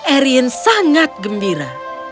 arion sangat gembira